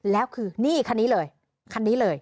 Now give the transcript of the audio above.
แล้วคือนี่คันนี้เลยคันนี้เลย